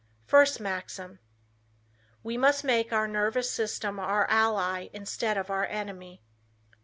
First Maxim: "We must make our nervous system our ally instead of our enemy."